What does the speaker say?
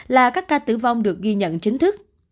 là các ca tử vong được ghi nhận chính thức